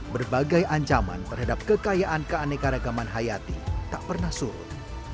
berbagai ancaman terhadap kekayaan keanekaragaman hayati tak pernah surut